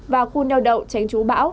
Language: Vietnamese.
và khu nheo đậu tránh trú bão